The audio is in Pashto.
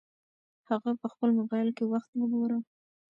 هغه په خپل موبایل کې وخت وګوره.